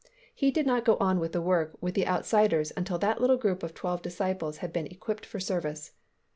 He did not go on with the work with the outsiders until that little group of twelve disciples had been equipped for service.